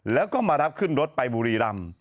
แล้วก็มารับขึ้นรถไปบุรีรำ